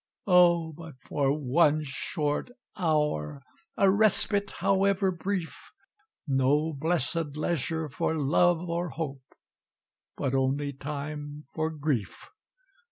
"Oh! but for one short hour! A respite however brief! No blessed leisure for Love or Hope, But only time for Grief!